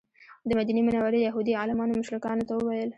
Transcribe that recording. د مدینې منورې یهودي عالمانو مشرکانو ته وویل.